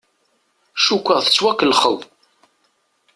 Cukkeɣ tettwakellexeḍ.